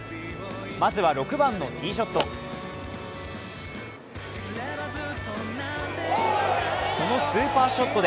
まずは６番のティーショット。